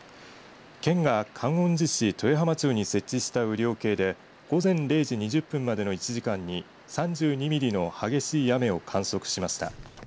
県が観音寺市豊浜町に設置した雨量計で午前０時２０分までの１時間に３２ミリの激しい雨を観測しました。